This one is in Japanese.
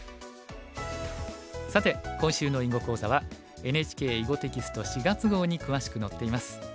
さて今週の囲碁講座はＮＨＫ囲碁テキスト４月号に詳しく載っています。